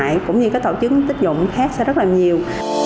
ngoài cũng như các tổ chức tích dụng khác sẽ rất là nhiều